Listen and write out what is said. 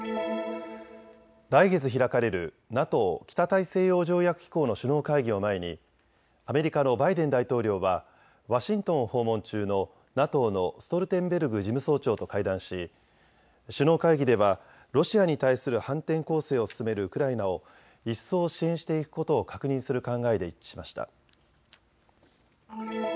来月開かれるＮＡＴＯ・北大西洋条約機構の首脳会議を前にアメリカのバイデン大統領はワシントンを訪問中のＮＡＴＯのストルテンベルグ事務総長と会談し首脳会議ではロシアに対する反転攻勢を進めるウクライナを一層支援していくことを確認する考えで一致しました。